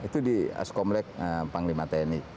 itu di askomrek panglima tni